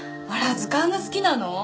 図鑑が好きなの？